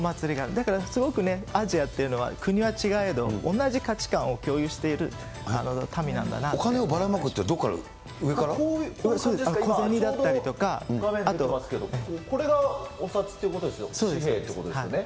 だからすごくアジアっていうのは、国は違えど、同じ価値観を共有しお金をばらまくって、どこか小銭だったりとか。これがお札ってことですよ、紙幣ってことですよね。